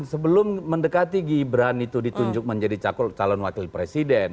sebelum mendekati gibran itu ditunjuk menjadi calon wakil presiden